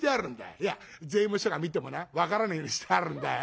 いや税務署が見てもな分からねえようにしてあるんだよ。